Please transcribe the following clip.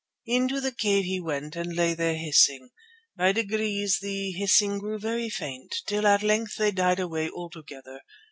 Into the cave he went and lay there hissing. By degrees the hissing grew very faint, till at length they died away altogether.